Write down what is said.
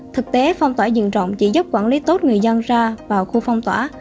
thực tế phong tỏa rừng rộng chỉ giúp quản lý tốt người dân ra vào khu phong tỏa